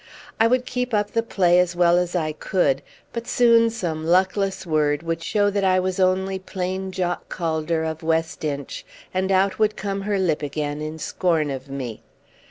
I would keep up the play as well as I could, but soon some luckless word would show that I was only plain Jock Calder of West Inch, and out would come her lip again in scorn of me.